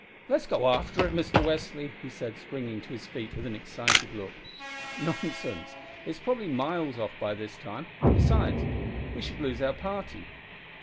"Let's go after it, Mister Westly," he said, springing to his feet with an excited look. "Nonsense, it is probably miles off by this time; besides, we should lose our party."